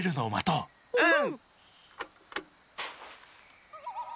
うん。